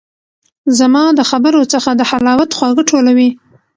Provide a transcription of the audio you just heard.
زما د خبرو څخه د حلاوت خواږه ټولوي